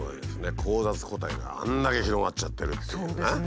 交雑個体があんだけ広がっちゃってるっていうね。